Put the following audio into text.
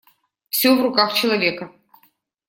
Всё в руках человека.